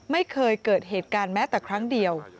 ไม่เคยเกิดเหตุการณ์แม้แต่ครั้งเดียว